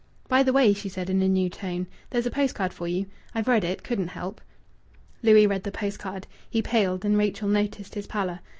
"By the way," she said in a new tone, "there's a post card for you. I've read it. Couldn't help." Louis read the post card. He paled, and Rachel noticed his pallor.